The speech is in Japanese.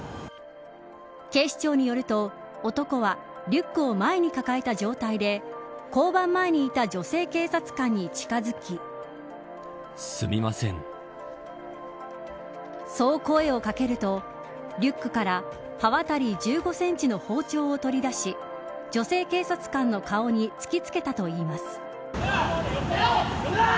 警視庁によると、男はリュックを前に抱えた状態でそう声をかけるとリュックから刃渡り１５センチの包丁を取り出し女性警察官の顔に突きつけたといいます。